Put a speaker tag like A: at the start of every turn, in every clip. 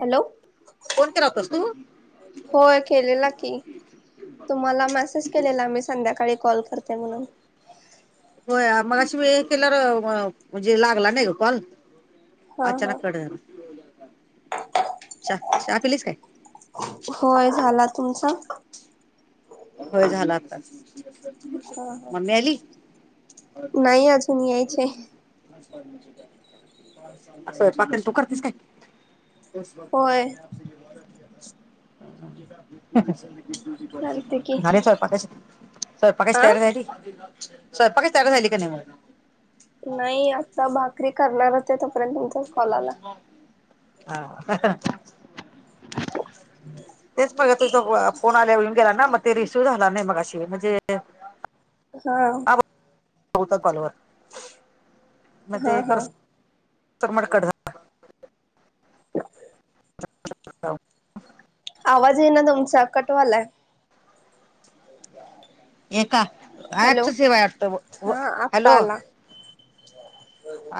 A: Hello
B: phone केला होतास तू?
A: होय केलेलं की तुम्हाला मेसेज केलेला मी संध्याकाळी. कॉल करते म्हणून.
B: हो मग अशी मी हे केल्यावर म्हणजे लागला नाही ग कॉल.
A: हा हा
B: अचानक कट झाला. च् चहा पिलीस काय?
A: होय झाला तुमचा हा हा
B: ममे आली
A: नाही अजून यायचीये.
B: स्वयंपाक काय तु करतेस काय? [unintelligible] झाली
A: होय करते की
B: स्वयंपाकच स्वयंपाकची
A: आ
B: तयार झाली? स्वयंपाकाची तयारी झाली का नाही मग?
A: नाही आता भाकरी करणारच आहे तोपर्यंत तुमच्याच कॉल आला.
B: हा तेच बघत होतो. कोणा आल्या येऊन गेला ना मग ते रिसीव झाला नाही मगाशी म्हणजे
A: हां
B: होतात कॉल वर
A: हा हा
B: तमट कढ [unintelligible]
A: आवाज ये ना तुमचा कट वालाय.
B: एका
A: हॅलो
B: ऍपच सेवात व
A: हा आत्ता
B: हॅलो
A: आला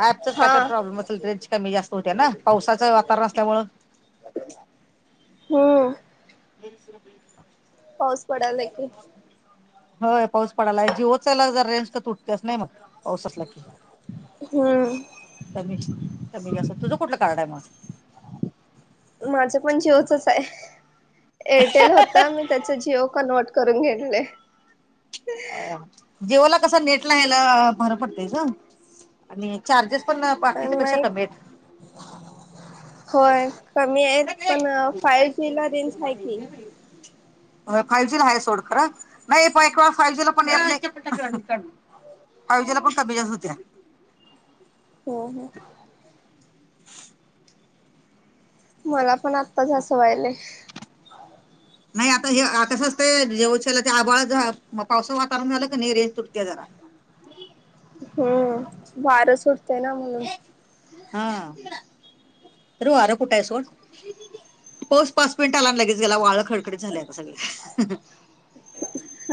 B: ऍपचच काय
A: हा
B: तर प्रॉब्लेम असेल र्रेंज कमी जास्त होते ना पावसाचं वातावरण असल्यामुळ [unintelligible]
A: हूं
B: [inaudible]
A: पाऊस पडालय की,
B: होय पाऊस पडालाय जिओचालाग जरां रेंज तुटत्यास नाही मग पावस असला की
A: हम्म
B: कमी कमी जास्त तुझ कुठलं कार्ड हाय म
A: माझं पण जिओचच आहे एरटेल होत मी त्याच जिओ कन्वर्ट करून घेतलय.
B: अ जिओला कस नेटला हयाल बरं पडतय ग आणि चार्जेस पण बाकीच्या पेक्षा
A: नाही
B: कमी येत.
A: होय कमी आहेत पण फायव जी ला रेंज हाय की,
B: होय फ फायवजीला आहे सोड खर नाही पण एकेवेळ फायवजीला पण येत
A: हो
B: नाय पायवजीला पण कमी जास्त होत्या.
A: हो हं
B: [inaudible]
A: मला पण आत्ताच असं व्हायलय.
B: नाही आता हे क्स असतंय जेवशाला ते आबाळ पावस वातावरण झालं की नई रेंज तुटत्या जरा. [unintelligible]
A: हम्म वार सुटतंय ना म्हणून
B: हा तर आरं कुठ आहे सोड पाऊस पाच मिनिट आला आणि लगेच गेला वाळ कडकडडीत झालय आता सगळ.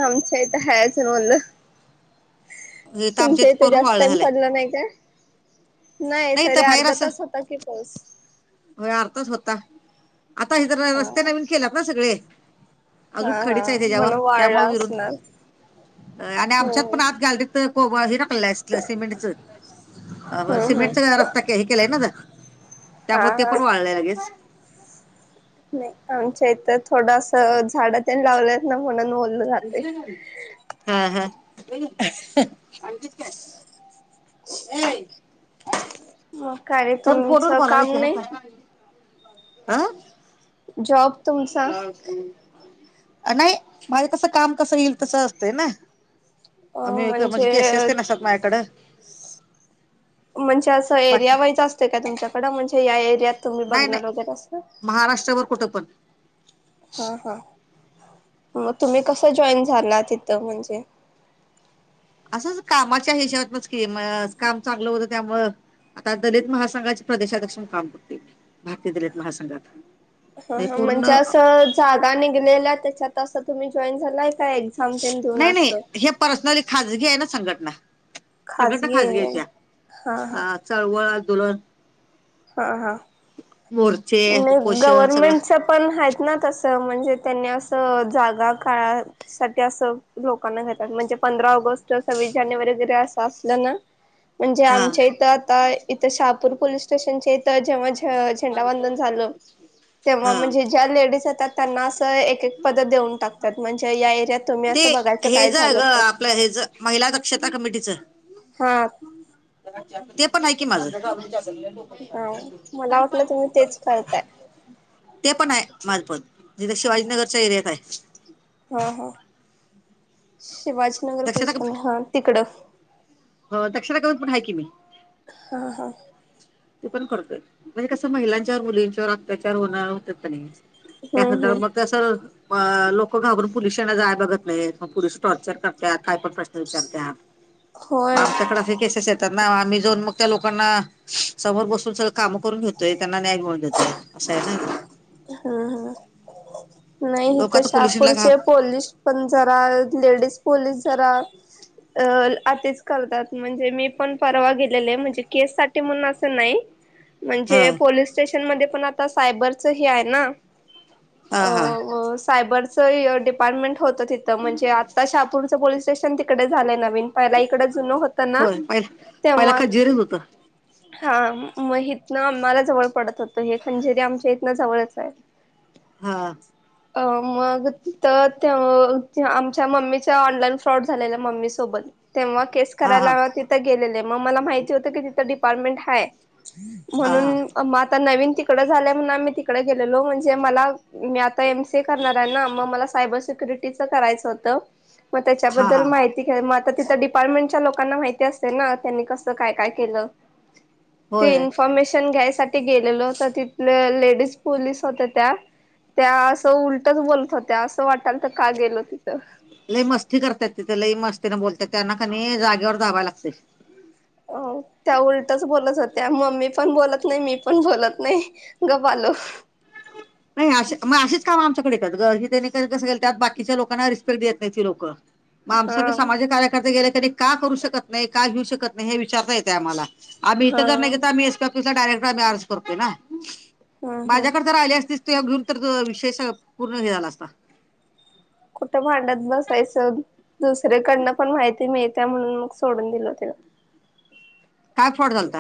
A: आमच्या हित हाय अजून वल्ल
B: इथं आमच्या
A: तुमच्या
B: इथं
A: इथ
B: करून
A: जास्त
B: वाळलं
A: टाईम
B: झालंय
A: पडला नाही का? नाही तरी
B: इथं बाहेर
A: अर्धा
B: असं
A: तास होता की पाऊस.
B: होय अर्तास होता आता हीत र
A: हा
B: रस्ते नवीन केल्यात ना सगळे
A: हा
B: अजून खडीच हाय
A: हा
B: त्याज्यावर
A: म्हणून
B: त्यामुळ
A: वाळला
B: विरून
A: असणार
B: आणि आमच्यात
A: हम्म
B: पण आत गॅलरीत त कोबा हे टाकलेला हाय सि सिमेंटच अ ब
A: हम्म हम्म
B: सिमेंट तर आता हे केलय ना ग
A: हा
B: त्यामुळ ते
A: हा
B: पण वाळल लगेच.
A: नाही आमच्या इथ थोडंस झाड ते लावलेत ना म्हणून बोल
B: हा हा [unintelligible] त्या
A: मग काय रे
B: नं फोटवर
A: तुमचं
B: बलालय
A: काम
B: की [unintelligible]
A: नाही? जॉब तुमचा
B: अ नाही माझ कस काम कसं येईल तस असतंय ना आम्ही म्हणजे केसेस तेनं असतात माझ्याकडं
A: म्हणजे असं
B: बाकी
A: एरिया वाईज असत का तुमच्याकड म्हणजे या एरियात तुम्ही
B: नाही
A: बघणार
B: नाही
A: वगैरे अस
B: महाराष्ट्रभर कुठं पण
A: हा हा मग तुम्ही कस जॉईन झाला तिथं म्हणजे
B: तस कामाच्या हिशेबातनाच की काम चांगलं होतं त्यामुळ आता दलित महासंघाचे प्रदेशाध्यक्षण काम करते मी भारतीय दलित महासंघात
A: ह म्हणजे अस जागा निघलेल्या त्याच्यात असं तुम्ही जॉईन झाला
B: नाही नाही हे पर्सनली खजगी आहे ना संघटना. सगळं तर खाजगी आहेतेत्या
A: हा हा
B: अ चळवळ दुलण
A: हा हा
B: उपोषण सगळं
A: गव्हर्मेंटच पण आहेत ना तस म्हणजे त्यांनी असं जागा काळा सा असं लोकांना घेतात म्हणजे पंधरा ऑगस्ट अस वैरे अस अस ना म्हणजे
B: हा
A: आमच्या इथं आता इथं शहापूर पोलीस स्टेशनचे इथं जेव्हा झेंडा झा ते्हा
B: हा
A: म्हणे ज्या ले एक एक पद देऊन टाकतात म्हणजे या एरियात तुम्ही
B: ते
A: असं बघायचं काय झालं तर
B: कला दक्षता कमिटीचं
A: सात
B: ते पण आहे की मला
A: हा मला वाटलं तुम्ही तेच करताय
B: ते पण आहे मार्फत जिथे शिवाजीनगरच्या एरियात आहे
A: हा हा शिवाजीनगर पुर हा तिकडं
B: हो दक्षता करून पठाय की मी
A: हा हा
B: ते पण करतोय म्हणजे कसं महिलांच्यावर मुलींच्यावर अत्याचार होणार होत नाही
A: हम्म
B: त्याधर
A: हम्म
B: मग तस अ लोकं घाबरून पोलिसांना जाय बघत नाहीत मग पोललीस टॉर्चर करतात काय पण प्रश्न विचारते
A: होय
B: आहात
A: हम्म
B: आमच्याकडे केस येतात ना आम्ही जाऊन मग त्या लोकांना समोर बसून सगळ काम करून घेतोय त्यांना न्याय मिळवून देतो
A: हा हा नाही
B: लोक
A: तर
B: आता पोलिसांना
A: शापूरचे
B: घाब
A: पोलीस पण जरा लेडीज पोलीस आच करतात म्हणजे मी पण परवा गेलेले म्हणजे ण
B: हा
A: म्हण प स प आता साबरच ह आहे ना
B: हा हा
A: सायबरचं डिपार्टमेंट होतं तिथं म्हणजे आत्ता शाहापूरचं पोलीस स्टेशन तिकडे झालंय नवीन पहिला इकड जुनं होत ना
B: होय पहिला पहिला
A: तेव्हा
B: खजिरीच होतं
A: हा मग इथनं आम्हाला जवळ पडत होतं हे खंजिरी आमच्या इथनं जवळच आहे
B: हा
A: अ मग तिथं आमच्या मम्मीच्या ऑनलाईन फ्रॉड झालेल्या मम्मी सोबत तेव्हा केस
B: हा हा
A: करायला तिथं गेलेले मग मला माहिती होतं की तिथं डिपार्टमेंट ह आहे
B: हा हा
A: म्हणून म नन तिक आम्ही तिक गेलो म्हणजे म मी आतामी करणार आहे
B: हा हा
A: [inaudible] तिथं डिपार्टमेंटच्या लोकांना माहिती असते ना त्यांनी कस काय काय केलं ते
B: होय
A: इन्फॉर्मेशन घ्यायसाठी गेलेल होत तिथ लेडीज पोलीस होत त्या त्या असं उलटच बोलत होत असं वाटाल तर का गेलो तिथं
B: लई मस्ती करतात तिथे लई मस्तीने बोलतात त्यांना कनी जागेवर जाव लागते
A: अ त्या उलटच बोलला जात त्या मम्मी पण बोलत नाही मी पण बोलत नाही गवालो
B: नाही अ मग अशीच काम आमच्याकडे येतात गरजीनी कस त्यात बाकीच्या लोकांना रिस्पेक्ट देत नाही ती लोकं मग
A: हा
B: आमच्या सामाजिक कार्यकर्ते गेले तरी का करू शकत नाही का घेऊ शकत नाही हे विचारता येते आम्हाला आम्ही इथं
A: हा
B: जर नाही आम् एस पी डायरेक्ट आम्ही अर्ज करतो ना
A: हम्म हम्म
B: माझ्याकडे तर आली असतीस तू घेऊन तर त विषय पूर्ण घे झाला असता
A: कुठ भांड्यात बसायचं दुसरेकडनं पण माहिती मिळते म्हणून मग सोडून दिल त्यािला
B: ह काय फड झालत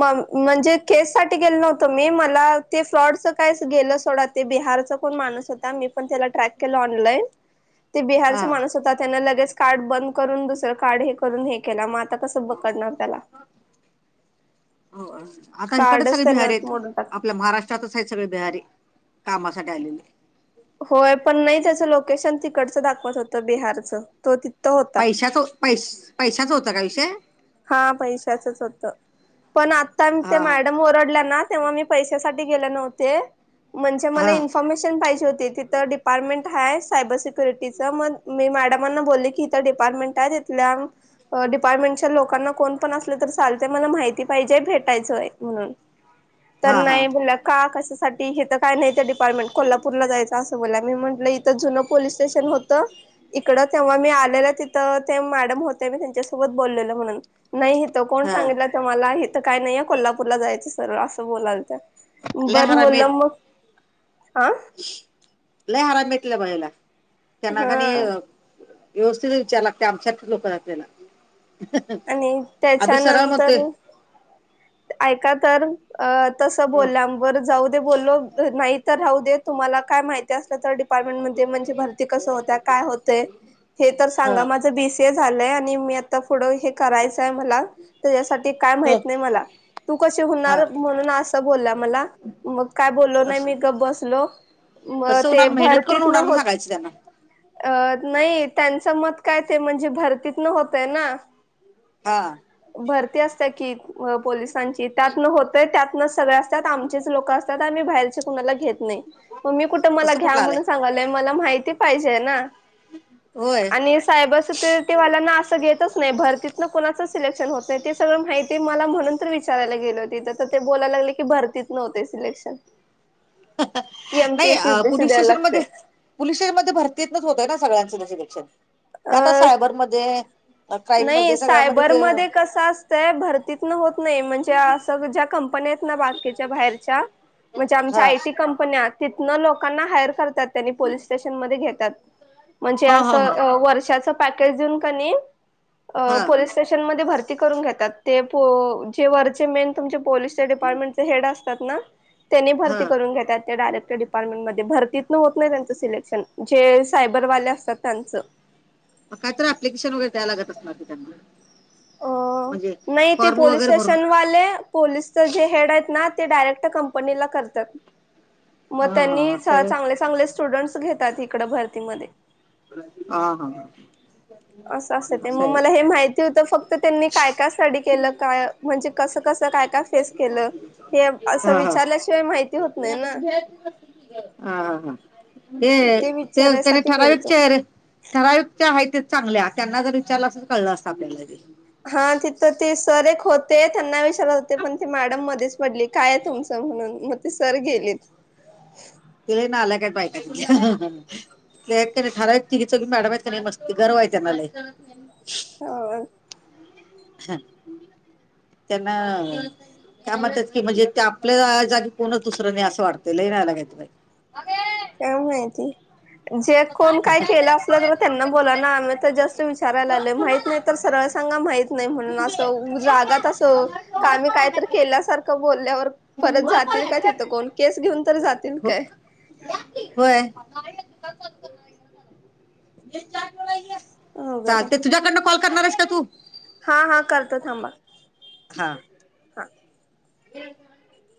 A: म म्हणजे केससाठीठी गेल नव्हतं मी मला ते फ्रॉडचं काय गेलं सोडा ते बिहारचं माणूस होता मी पण त्याला ट्रॅक केला ऑनलाईन
B: [inaudible]
A: ते बिहारचा माणूस होता त्यांना लगेच कार्ड बंद करून दुसरं कार्ड हे करून हे केला मात आता कसं बकडणार त्याला
B: हो आता इकडेच
A: कार्डच
B: सगळे
A: त्यांना
B: बिहारी आहेत
A: मोडून टाक
B: आपल्या महाराष्ट्रातच आहेत सगळे बिहारीे कामासाठी आलेले
A: होय पण नाही त्याचं लोकेशन तिकडचं दाखवत होतं बिहारच तो होता
B: पैशाच पै पैशाच होतं का विषय
A: हा पैशाचच होतं पण आता ते
B: हा
A: मॅडम ओरडल्या ना तेव्हा मी पैशासाठी गेले नव्हते म्हणजे मला
B: हा
A: इन्फॉर्मेशन पाहिजे हो तिथं डिपार्टमेंट ह आहे सायबर सिक्युरिटीचं मग मी मॅडमांना बोलले कि इथं डिपार्टमेंट आहे [inaudible] लोकांना कोण पण असले तर चालते मला माहिती पाहिजे भेटायचंय म्हण तर
B: हा हा
A: नाही बोलला का कशासाठी हे तर काय नाही त्या डिपार्टमेंट कोल्हापूरला जायचं असं बोला म्हटलं इथ जु पोलीस स्टेशन होत तकडं तेव्हा मी आलेलं तिथं ते मॅडम होते मी त्यांच्यासोबत बोललेलं म्हणून नाहीथं कोण
B: हा
A: सांगितलं तर मला इथं काय नाहीये कोल्हापूरला जायचं सरळ असं बोलाल त्या
B: लय
A: बरं
B: हरामी
A: मुलं मग हा
B: लय हारण भेटलं बायला त्यांना
A: हा
B: काणी व्यवस्थित विचार लागते आमच्याच लोक ज त्यांना
A: आणि
B: अभि सलामत
A: त्याच्यानंतर ऐका तर अ तस
B: हं,
A: बोलल्यावर जाऊ दे बोललो नाही तर राहू दे तुम्हाला काय माहिती असलं तर
B: हा
A: [inaudible] झालंय आणि मी आता पुुढं हे करायचंय मला त्याच्यासाठी काय
B: हं,
A: माहित नाही मला तू कशी
B: हा
A: होणार म्हणून असं बोलला मला मग काय बोललो नाही
B: तस
A: मी ग बसलो म
B: कसं
A: ते
B: होणार मेहनत करून
A: भरतीत न
B: होणार म्हणून
A: होत
B: सांगायचं त्यांना
A: अ नाही त्यांचं मत काय ते म्हणजे भरतीतन होतय ना
B: हा
A: भरती असते की पोलिसांची त्यातनं होतंय त्यातनं सगळे असतात आमचेच लोक असतात बार क घेत नाही मग मी कु मला
B: तसं कुठलं आलंय
A: घ्याणून सग मला माहिती पाहिजे ना
B: ह
A: आणि सायबर सिक्युरिटीवाल्यांना असं घेतच नाही भरतीतन कोुणाचं सिलेक्शन होत नाही ते सगळं माहि मला म्हणून विचारयला गेले होती ते बोलायला लागले की भरतीत नव्हते सिलेक्शन
B: नाही
A: एमपीएस युपीएसी
B: पुलीस
A: द्यायला
B: स्टेशन
A: लागते
B: म पुलीस स्टेशन म भरतीतच होतय ना सगळ्यांच
A: अ
B: सायबरमध्ये
A: नाही सायबर म कस असतय भरतीत होत नाही म्हणजे अस्या कं बाकीच्या बाहेरच्या म्हणजे आमच्या
B: हा
A: आयटी कंपन्या तिथनं लोकांना हायर करतात त्यांनी पोिस स्टेशन मध्ये घेतात म्हणजे
B: हो हो
A: असं
B: हो
A: कशाच पॅकेज देऊन का नि
B: हा
A: पोलीस स्टेशनमध्ये भर घात ते जे वरचे मेन तुम पोलीसच्या डिपार्टमेंटचे हेड असतात ना त्यांनी
B: हा
A: भरती करून घेतात तेडायरेक्टर डपार्टेंट मध्ये भर तिथनं होत नाही त्यांचं सिलेक्शन जे सायबरवाले असतात त्यांचं
B: मग कायत प्लिकेशन वगैरे द्याय लागत असणारी त्यांना
A: अ
B: म्हणजे
A: नाही ते
B: फॉर्म
A: पोलीस
B: वगैरे भरून
A: स्टेशनवाले पोलीसचे जे हेड आहेत ना ते डायरेक्ट कंनीतात मग
B: हा हा हा
A: त्यांनी चांगले चांगले स्टुडंट्स घेतात इकड भरतीमध्ये
B: हा हा ह
A: असं अस ते मग मला हे माहिती होतं फक्त त्यांनी काय काय स्टडी केलं काय म्हणजे कसं कस काय काय फेस केलं हे अस
B: हा हा
A: विचारल्याशिवाय माहिती होत नाही ना
B: हा हा ते ते त्याने
A: विचारायसाठी
B: ठरावच
A: गेलतो.
B: ठरायुक्त आहे ते चांगल्या त्यांना जर विचारलं अस कळलं अस आपल्याला ज
A: हा तिथं ते सर एक होते त्यांना विशार होते पण ते मॅडम मध्ये पडली काय तुमच म्हणून मग ते सर गेली
B: तिला ना आल्याय काय बाय ठरााव ति चौ मॅडम आहे मस्ती गरव म
A: हो
B: त्यांना त्या म्हणतात की म्हणजे ते आपल्या जागी कोणच दुसरं नाही असं वाटतय लयनायलागच
A: काम आहेय ती जे कोण काय केलं असलं तर त्यांना बोला ना आम् तर जस्ट विचारायला आलो माहित नाही तर सरळ सांगा माहित म्हणगात असम काय तर केल्यासार बल्यावर परत जात का तिथं कोण केस घेऊन तर जातील काय
B: ुारेळा
A: अवघड
B: चाल
A: आहे
B: ते तुझ्याकडनं कॉल करणारस का तू
A: हा हा करतो थांबा हा
B: हम